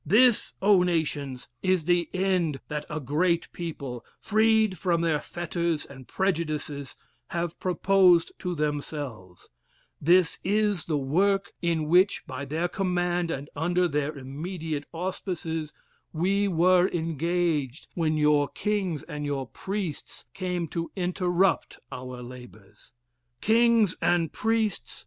"This, O nations! is the end that a great people, freed from their fetters and prejudices, have proposed to themselves; this is the work in which, by their command, and under their immediate auspices, we were engaged, when your kings and your priests came to interrupt our labors.... Kings and priests!